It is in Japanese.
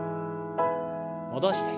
戻して。